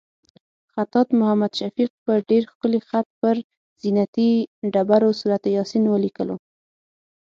خطاط محمد شفیق په ډېر ښکلي خط پر زینتي ډبرو سورت یاسین ولیکلو.